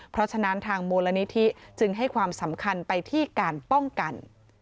เพราะฉะนั้นทางมูลนิธิจึงให้ความสำคัญไปที่การป้องกัน